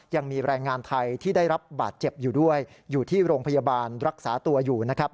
ยังมีแรงงานไทยที่ได้รับบาดเจ็บอยู่ด้วยอยู่ที่โรงพยาบาลรักษาตัวอยู่นะครับ